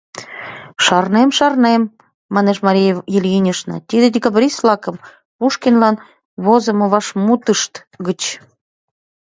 — Шарнем, шарнем, — манеш Мария Ильинична, — тиде декабрист-влакын Пушкинлан возымо вашмутышт гыч.